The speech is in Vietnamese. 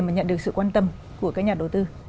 mà nhận được sự quan tâm của các nhà đầu tư